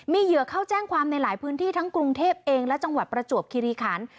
มีเหยื่อเข้าแจ้งความในหลายพื้นที่ทั้งกรุงเทพเองและจังหวัดประจวบคิริขัน